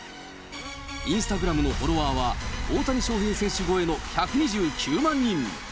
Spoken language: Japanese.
インスタグラムのフォロワーは、大谷選手超えの１２９万人。